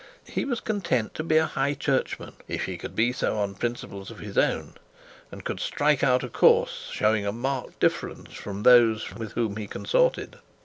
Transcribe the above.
He was content to be a High Churchman, if he could be so on principles of his own, and could strike out a course showing a marked difference from those with whom he consorted.